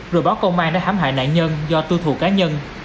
rồi báo công an đã hãm hại nạn nhân do tu thù cá nhân